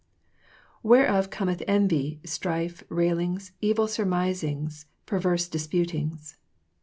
Whereof cometh envy, strife, railings, evil surmisings, perverse disputings.